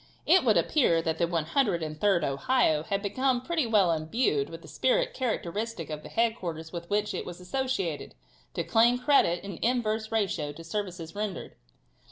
It would appear that the 103d Ohio had become pretty well imbued with the spirit characteristic of the headquarters with which it was associated, to claim credit in an inverse ratio to services rendered.